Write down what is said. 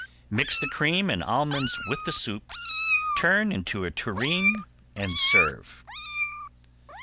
Mix the cream and almonds with the soup, turn into a tureen, and serve.